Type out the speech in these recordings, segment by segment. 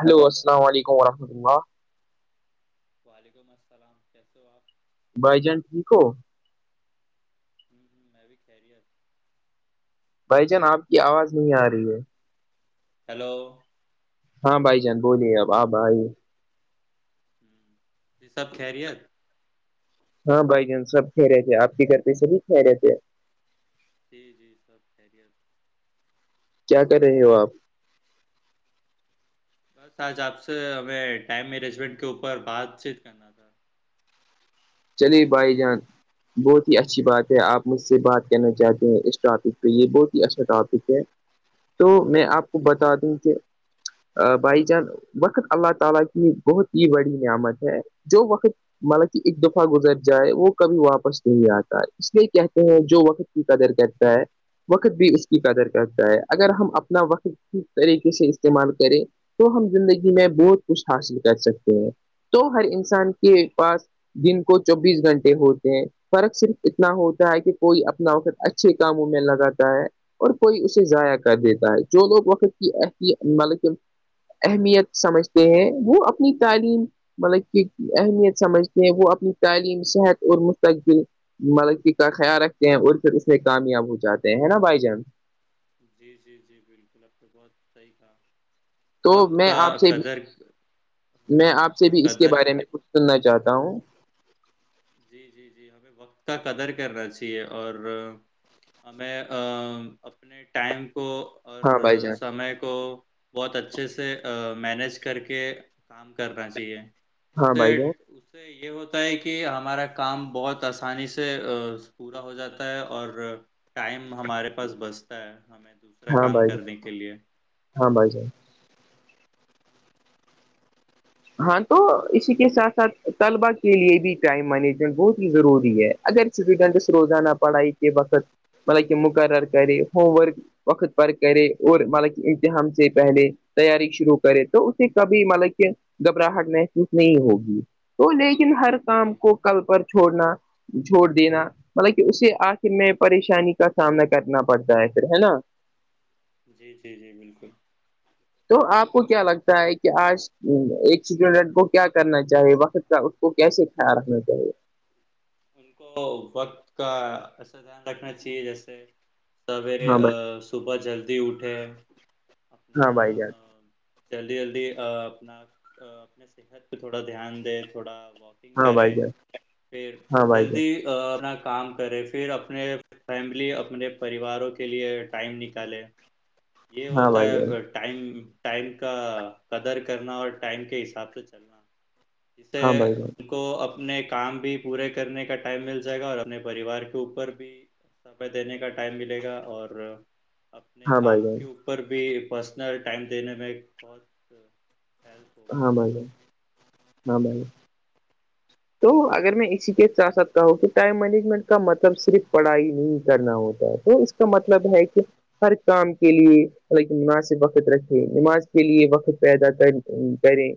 hello السلام علیکم ورحمۃ اللہ وعلیکم السلام کیسے ہو اپ لوگ جس پر کامی مشین بھائی جان ٹھیک ہو ہوں ہوں میں بھی خیریت بھائی جان اپ کی اواز نہیں ارہی ہے ہیلو ہاں بھائی جان بولی سب خیریت ہاں بھائی جان سب خیر ہے اپ کی گھر پہ سبھی خیریت ہے جی کیا کر رہے ہو اپ آج اپ سے ہمیں ٹائم میرے اسٹ کے اوپر بات چیت تھا چلیے بھائی جان بہت ہی اچھی بات ہے اپ مجھ سے بات کہنا چاہتے ہیں اس کو اپ اس کو یہ بہت ہی اچھا تھا تو میں اپ کو بتا دوں کہ بھائی جان وقت اللہ تعالی کی بہت ہی بڑی نعمت ہے جو وقت ملک گزر جائے وہ کبھی واپس نہیں اتا اس لیے کہتے ہیں جو وقت کی قدر کرتا ہے وقت بھی اس کی قدر کرتا ہے اگر ہم اپنا وقت کس طریقے سے استعمال کریں تو ہم زندگی میں بہت کچھ حاصل کر سکتے ہیں تو ہر انسان جی کے پاس دن کو چوبیس گھنٹے ہوتے ہیں فرق صرف اتنا ہوتا ہے کہ کوئی اپنا وقت اچھے کاموں میں لگاتا ہے اور کوئی اسے ضائع کر دیتا ہے جو لوگ وقت کی مطلب کہ اہمیت سمجھتے ہیں وہ اپنی تعلیم مطلب کہ اہمیت سمجھ تے ہے وہ اپنی تعلیم صحت اور مستقبل مطلب کہ کا خیال رکھتے ہیں اور پھر اسے کامیاب ہو جاتے ہیں ہے نا بھائی جان جی جی جی بالکل اب تو بہت صحیح تھا تو میں آپ سے بھی ہاں، میں آپ وقت سے کا بھی اس کے قدر بارے میں کچھ سننا چاہتا ہوں جی جی جی ہمیں وقت کا قدر کرنا چاہیے اور ہمیں اپنے ٹائم کو اور ہاں بھائی جان سمے کو بہت اچھے سے مینج کر کے کام کرنا چاہیے اس ہاں سے بھائی جان اس سے یہ ہوتا ہے کہ ہم ہمارا کام بہت آسانی سے پورا ہو جاتا ہے اور ٹائم ہمارے پاس بچتا ہے ہمیں دوسرا ہاں کام بھائی جان کرنے کے لیے ہاں بھائی جان ہاں تو اسی کے ساتھ ساتھ طلبا کے لیے بھی ٹائم مینجمنٹ بہت ہی ضروری ہے اگر سٹوڈنٹس روزانہ پڑھائی کے وقت مطلب کہ مقرر کرے ہووم ورک وقت پر کرے اور مطلب کہ امتحان سے پہلے تیاری شروع کرے تو اسے کبھی مطلب کہ گھبراہٹ محسوس نہیں ہوگی تو لیکن ہر کام جی کو کل پر چھوڑنا چھوڑ دینا مطلب کہ اسے آخر میں پریشانی کا سامنا کرنا پڑتا ہے پھر ہے نا جی جی جی بالکل تو آپ کو کیا لگتا ہے کہ آج ایک اسٹوڈنٹ کو کیا کرنا چاہیے وقت کا اس کو کیسے خیال رکھنا چاہیے ان کو وقت کا ایسے دھیان رکھنا چاہیے جیسے سویرے ہاں بھائی صبح جلدی اٹھے اپنا ہاں بھائی جان جلدی جلدی اپنا اپنی صحت پہ تھوڑا دھیان دے تھوڑا واک ہاں بھائی کرے جان پھر ہاں بھائی جان جلدی اپنا کام کرے پھر اپنے فیملی اپنے پریواروں کے لیے ٹائم نکالے یہ ہاں ہوتا بھائی جان ہے ٹائم ٹائم کا قدر کرنا اور ٹائم کے حساب سے چلنا جس سے ہاں بھائی جان تو اپنے کام بھی پورے کرنے کا ٹائم مل جائے گا اور اپنے پریوار کے اوپر بھی سمے دینے کا ٹائم ملے گا اور اپنے ہاں بھائی آپ جان کے اوپر بھی پرسنل ٹائم دینے میں بہت ہیلپ ہوگا ہاں بھائی جان ہاں بھائی تو اگر میں اسی کے ساتھ ساتھ کہوں کہ ٹائم مینجمنٹ کا مطلب صرف پڑھائی نہیں کرنا ہوتا ہے وہ اس کا مطلب ہے کہ ہر کام کے لیے مطلب کہ مناسب وقت رکھے نماز کے لیے وقت پیدا کر کریں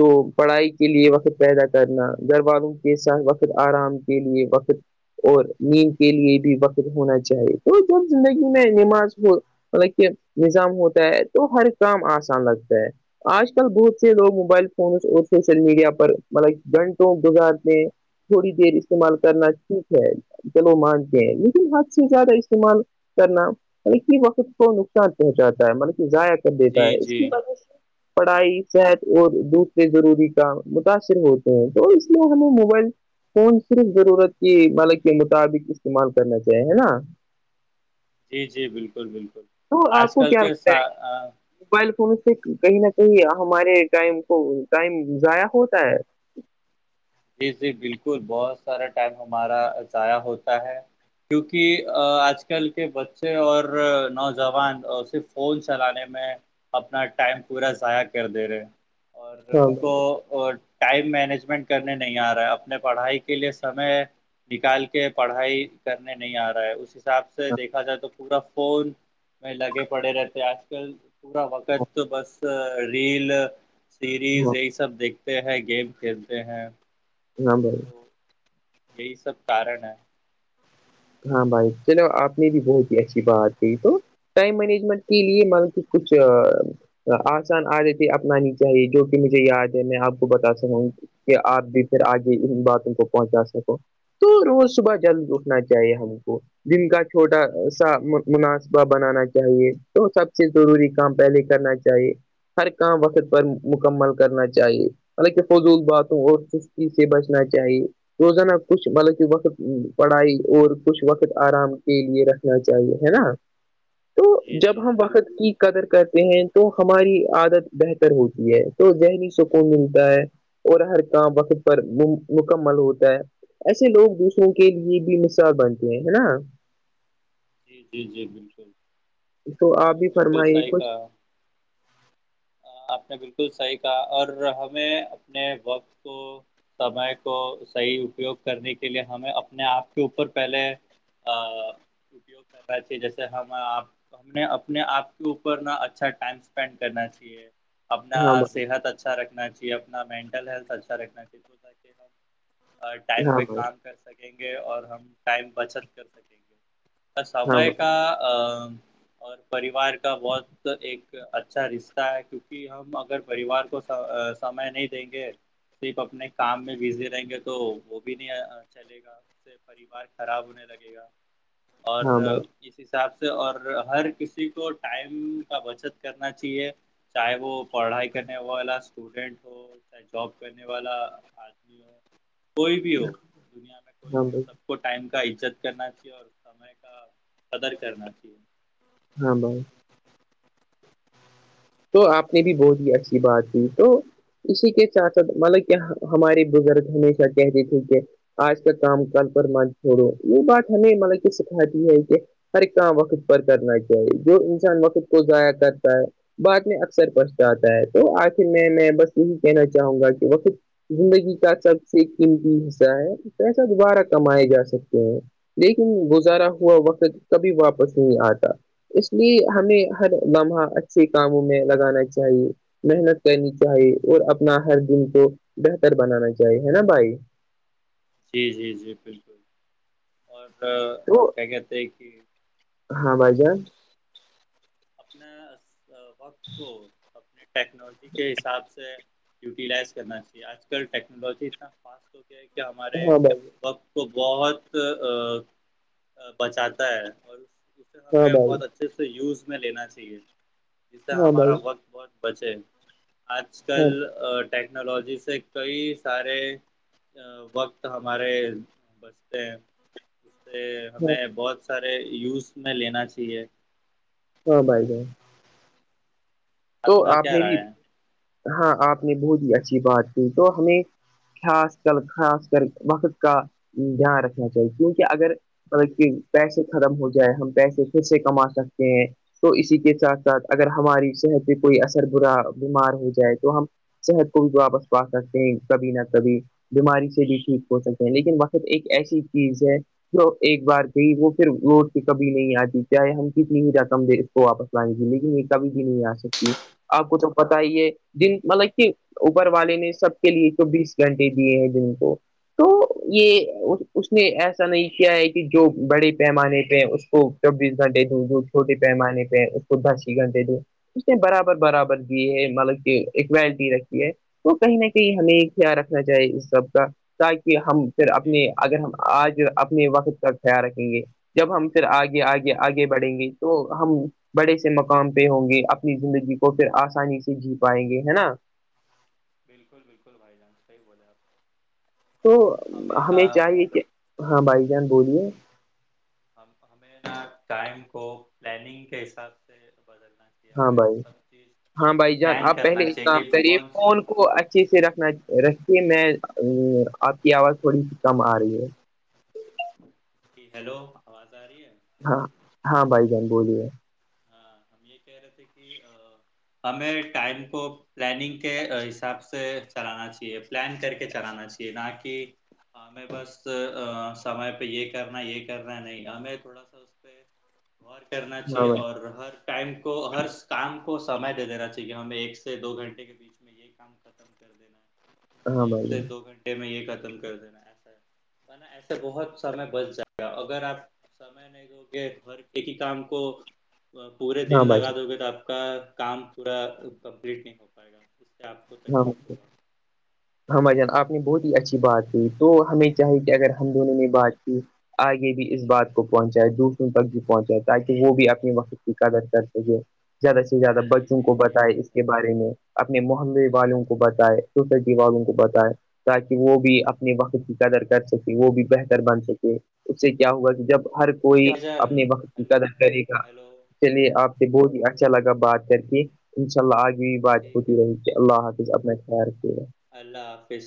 تو پڑھائی کے لیے وقت پیدا کرنا گھر والاروں کے ساتھ وقت آرام کے لیے وقت اور نیند کے لیے بھی وقت ہونا چاہیے تو جب زندگی میں نماز ہو مطلب کہ نظام ہوتا ہے تو ہر کام آسان لگتا ہے آج کل بہت سے لوگ موبائل فونس اور سوشل میڈیا پر مطلب کہ گھنٹے تو بغار تے ہے تھوڑی دیر استعمال کرنا ٹھیک ہے چلو مانتے ہیں لیکن حد سے زیادہ استعمال کرنا مطلب کہ وقت کو نقصان پہنچاتا ہے مطلب کہ ضائع کر دیتا جی ہے اس جی کی وجہ سے پڑھائی جی صحت اور دوسرے ضروری کام متاثر ہوتے ہیں تو اس لیے ہمیں موبائل فون صرف ضرورت کی مطلب کے مطابق استعمال کرنا چاہیں ہے نا جی جی بالکل بالکل تو آج آپ کو کل کیا کے لگتا ہے موبائل فون سے کہیں نہ کہیں ہمارے ٹائم کو ٹائم ضائع ہوتا ہے جی جی بالکل بہت سارا ٹائم ہمارا ضائع ہوتا ہے کیونکہ آج کل کے بچے اور نوجوان صرف فون چلانے میں اپنا ٹائم پورا ضائع کر دے رہے اور ہاں ان بھائی کو ٹائم مینجمنٹ کرنے نہیں آ رہا اپنے پڑھائی کے لیے سمے نکال کے پڑھائی کرنے نہیں آ رہا ہے اسی حساب سے دیکھا جائے تو پورا فون میں لگے پڑے رہتے آج کل پورا وقت بس ریل سیریز ہاں یہ سب دیکھتے ہیں گیم کھیلتے ہیں [unintelligible] تو یہی سب کارن ہے ہاں بھائی چلو آپ نے بھی بہت ہی اچھی بات کہ تو ٹائم مینجمنٹ کے لیے مطلب کی کچھ آسان آادتی اپنانی چاہیے جو کہ مجھے یاد ہے میں آپ کو بتا سکوں کہ آپ بھی پھر آگے ان باتوں کو پہنچا سکو تو روز صبح جلد اٹھنا چاہیے ہم کو جن کا چھوٹا سا مناسبہ بنانا چاہیے تو سب سے ضروری کام پہلے کرنا چاہیے چاہیے ہر کام وقت پر مکمل کرنا چاہیے حالکہ فضول باتوں اور سستی سے بچنا چاہیے توز نا کچھ مطلب کہ بقت پڑھائی اور کچھ وقت آرام کے لیے رکھنا چاہیے ہے نا تو جی جب جی ہم جی وقت کی قدر کرتے ہیں تو ہماری عادت بہتر ہوتی ہے تو ذہنی سکون ملتا ہے اور ہر کام وقت پر مکمل ہوتا ہے ایسے لوگ دوسروں کے لیے بھی س بنتی ہیں ہے نا جی جی جی بالکل تو آپ نے بھی بالکل فرمائیے صحیح کچھ کہا آپ نے بالکل صحیح کہا اور ہمیں اپنے وقت کو سمے کو صحی اپیوگ کرنے کے لیے ہمیں اپنے آپ کے اوپر پہلے ہاں وگ کرنااہی جیسےپ ہم نے اپنے آپ کے اوپر نا اچھا ٹائم اسپینڈ کرنا چ اپنا ہاں بھائی صحت اچھا رکھنا چاہیے اپنا مینٹل ہیلتھ اچھا رکھنا چاہیے ٹائم ہاں پہ بھائی کام کر سکیں گے اور ہم ٹائم بچت کر سکیں گے ہاں سمے بھائی کا اور پریوار کا بہت ایک اچھا رشہ کیونکہ ہم اگر پریوار کو سمے نہیں دیں گے صرف اپنے کام میں بزی رہیں گے تو وہ بھی نہیں چلے گا سے پریوار خراب ہونے لگے گا اور ہاں بھائی [inaudible] اس حساب سے اور ہر کسی کو ٹائم کا بچت کرنا چاہیے چاہے وہ پڑھائی کرنے ہوا والا اسٹوڈینٹ ہو چاہے جاب کرنے والا آدمی ہو کوئی بھی ہو دنیا میں کوئی ہاں بھی ہو بھائی سب کو ٹائم کا عزت کرنا چاہیے اور سمے کا قدر کرنا چاہیے ہاں بھائی تو آپ نے بھی بہت ہی اچھی بات کی تو اسی کے ساتھ ساتھ مطلب کہ ہمارے بزرگ ہمیشہ کہتے تھے کہ آج کا کام کل پر مان چھوڑو یہ بات ہمیں مطلب کہ سکھاتی ہے کہ ہر کام وقت پر کرنا چاہیے جو انسان وقت کو ضائع کرتا ہے بات میں اکثر پچھتا آتا ہے تو آخر میں میں بس یہی کہنا چاہوں گا کہ وہ زندگی کا سب سے قیمتی حصہ ہے پیسہ دوبارہ کمائے جا سکتے ہیں لیکن گزارا ہوا وقت کبھی واپس نہیں آتا اس لیے ہمیں ہر لمحہ کاموں میں لگانا چاہیے محنت کرنی چاہیے اور اپنا ہر دن کو بہتر بنانا چاہیے ہے نا بھائی جی جی جی بالکل اور تو کیا کہتے ہیں کہ ہاں ہلو بھائی جان اپنے وقت کو اپنے ٹیکنالوجی کے حساب سے یوٹیلائز کرنا چاہیے آج کل ٹیکنالوجی اتنا فاسٹ ہو گیا ہے کہ ہمارے ہاں بھائی وقت کو بہت بچاتا ہے اور اسے ہاں ہمیں بہت اچھے سے یوز میں لینا چاہیے جس سے ہمارا بھائی وقت بہت بچے آج ہاں کل بھائی ہاں ٹیکنالوجی سے کئی سارے وقت ہمارے بچتے ہیں اس سے ہاں ہمیں بہت سارے یوز میں لینا چاہیے ہاں بھائی جان تو کا آپ کیا نے بھی رائے ہے ہاں آپ نے بہت ہی اچھی بات کی تو ہمیں خاص کر خاص کر وقت کا دھیان رکھنا چاہیے کیونکہ اگر مطلب کہ پیسے ختم ہو جائے ہم پیسے پھر سے کما سکتے ہیں تو اسی کے ساتھ ساتھ اگر ہماری صحت پہ کوئی اثر برا بیمار ہو جائے تو ہم صحت کو بھی تو وپس پا سکتے ہیں کبھی نہ کبھی بیماری سے بھی ٹھیک ہو سکتے ہیں لیکن وقت ایک ایسی چیز ہے جو ایک بار گیا وہ پھر لوٹ کے کبھی نہیں آتی چاہے ہم کتنی ہو رقم دے کو واپس لیکن یہ کبھی بھی نہیں آ سکتی آپ کو تو پت ہی ہے جن مطلب کہ اوپر والے نے سب کے لیے تو بیس گھنٹے دیے ہیں جن کو تو یہ اس نے ایسا نہیں کیا ہے کہ جو بڑے پیمانے پہ ہے اس کو چوبیس گنٹے دو جو چھوٹے پیمانے پہ ہے اس کو دس ہی گھنٹے دوں اس برابر برابر بھی ہے مطلب کہ ایکولٹی رکھی ہے تو کہیں نہ کہیں ہمیں خیال رکھنا چاہیے اس سب کا تاکہ ہم فر اپنے جی جی اگر ہم آج اپنے وقت کا خیال رکھیں گے جب ہم پھر آگے بالکل بالکل آگے بھائی بڑھیں جان گے تو ہم بڑے سے مقام پہ ہوں گے زندگی کو پھر آسانی سے جی پائیں گے ہے نا بالکل بالکل بھائی جان صحیح بولے آپ تو ہمیں چاہیے کہ ہاں بھائی جان بولیے ہم ہمیں نا ٹائم کو پلاننگ کے حساب سے بدلنا چاہیے ہاں ہمیں بھائی سب چیز ہاں بھائی جان پلان آپ پہلے کرنا ایک چاہیے کام کہ کریے کون فون کو اچھے سے رکھنا رکھتے میں آپ کی آواز تھوڑی سی کم آ رہی ہے جی ہیلو آواز آ رہی ہے ہاں ہاں بھائی جان بولیے ہاں ہم یہ کہہ رہے تھے کہ ہمیں ٹائم کو پلاننگ کے حساب سے چلانا چاہیے پلان کر کے چلانا چاہیے نا کی ہمیں بس سمے پہ یہ کرنا ہے یہ کرنا ھی نہیں ہمیں تھوڑا سا اسپ غور کرنا ہاں چاہیے بھائی اور ہر ٹائم کو ہر کام کو سمے دے دینا چاہیے ہمیں ایک سے دو گھنٹے کے بیچ میں یہی کام ہاں ایک بھائی سے جان دو گھنٹے میں یہ ختم کر دینا ہے ایسا ہے نا ایسے بہت سمے بچ جائے گا اگر آپ میں نے کہھر ایک ہی کام کو پورے دن ہاں بھائی لگا دو گے تو آپ کا کام پورا کمپلیٹ نہیں ہو پائے گا اس سے آپ کو [inaudible] تکلیف ہوگا ہاں بھائی جان آپ نے بہت ہی اچھی بات کی تو ہمیں چاہے کہ اگر ہم دونوں نے بات کی آگے بھی اس بات کو پہنچائے دوسروں تک بھی پہنچائے تاکہ وہ بھی اپنے وقت کی قدر کر سکے زیادہ سے زیادہ جی بچوں کو جی جی بتائے بھائی اس کے جان بارے میں اپنے محے والوں کو بتائے سوسائٹی والوں کو بتائے تاکہ وہ بھی اپنے وقت کی قدر کر سکے وہ بھی بہتر بن سکے اس سے کیا ہوگا کہ جب ہر ٹھیک کوئی ہے بھائی اپنے جان وقت کی ہیلو قدر کرے گا ہیلو چلیے آپ سے بہت ہی اچھا لگا بات کر کے ان شاء اللہ آگے بھی بات ٹھیک ہے ہوتی رہی اللہ حافظ اپنا خیال کیاے اللہ حافظ